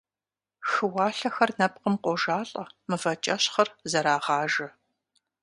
Хыуалъэхэр нэпкъым къожалӀэ, мывэкӀэщхъыр зэрагъажэ.